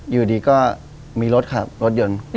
อยู่ดีก็มีรถขับรถยนต์